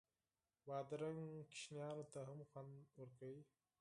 بادرنګ ماشومانو ته هم خوند کوي.